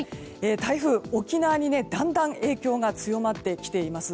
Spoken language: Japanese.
台風、沖縄にだんだん影響が強まってきています。